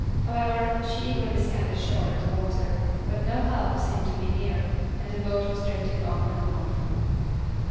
However, she eagerly scanned the shore and the water; but no help seemed to be near, and the boat was drifting on and on.